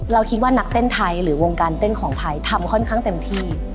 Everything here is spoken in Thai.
คิดว่านักเต้นไทยหรือวงการเต้นของไทยทำค่อนข้างเต็มที่